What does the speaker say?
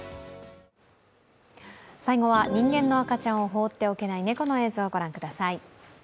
最後は人間の赤ちゃんを放っておけない猫の映像をご覧ください。